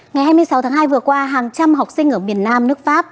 ngày hai mươi sáu tháng hai vừa qua hàng trăm học sinh ở miền nam nước pháp